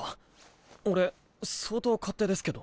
俺相当勝手ですけど。